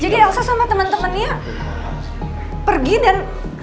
jadi elsa sama temen temennya pergi dan